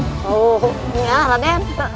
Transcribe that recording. oh ya raden